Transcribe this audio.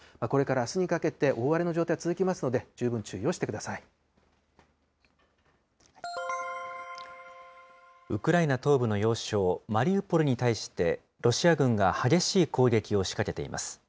これからあすにかけて、大荒れの状態続きますので、十分注意をしウクライナ東部の要衝、マリウポリに対して、ロシア軍が激しい攻撃を仕掛けています。